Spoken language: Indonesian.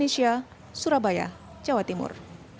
sia surabaya jawa timur